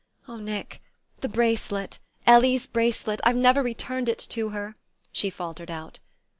"Oh, Nick, the bracelet Ellie's bracelet.... I've never returned it to her," she faltered out.